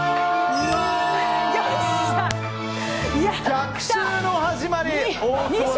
逆襲の始まり！